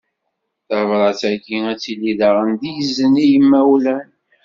Tabrat-agi ad tili daɣen d izen i yimawlan.